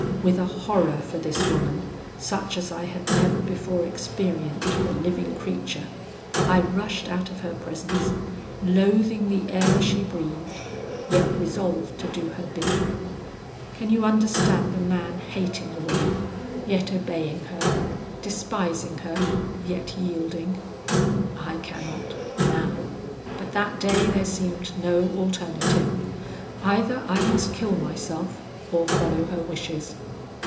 With a horror for this woman such as I had never before experienced for living creature, I rushed out of her presence, loathing the air she breathed, yet resolved to do her bidding. Can you understand a man hating a woman, yet obeying her; despising her, yet yielding? I cannot, now, but that day there seemed no alternative. Either I must kill myself or follow her wishes.